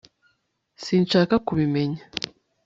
sinshaka kubimenya